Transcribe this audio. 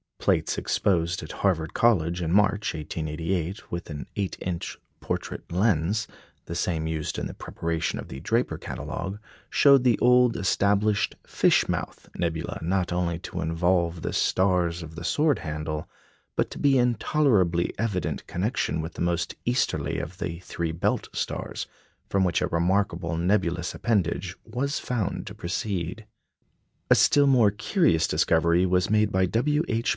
Plates exposed at Harvard College in March, 1888, with an 8 inch portrait lens (the same used in the preparation of the Draper Catalogue) showed the old established "Fish mouth" nebula not only to involve the stars of the sword handle, but to be in tolerably evident connection with the most easterly of the three belt stars, from which a remarkable nebulous appendage was found to proceed. A still more curious discovery was made by W. H.